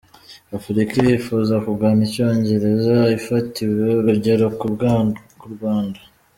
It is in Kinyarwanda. Afurica irifuza kugana Icyongereza ifatiye urugero k’u Rwanda